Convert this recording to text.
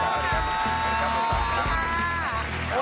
สวัสดีค่า